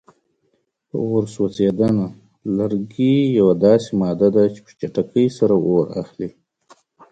په اور سوځېدنه: لرګي یوه داسې ماده ده چې په چټکۍ سره اور اخلي.